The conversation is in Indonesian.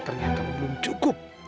ternyata lo belum cukup